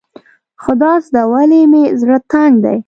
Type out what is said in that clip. خدازده ولې مې زړه تنګ دی.